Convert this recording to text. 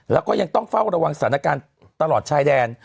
แล้วก็ยังต้องเฝ้าระวังสถานการณ์ตลอดชายแดน